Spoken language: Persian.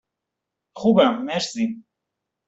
خوبم، مرسی.